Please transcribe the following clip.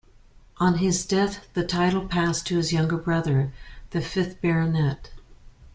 On his death the title passed to his younger brother, the fifth Baronet.